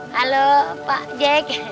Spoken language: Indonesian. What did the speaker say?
halo pak jack